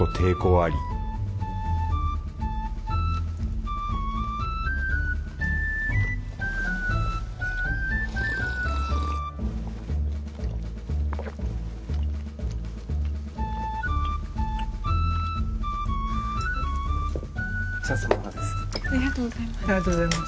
ありがとうございます。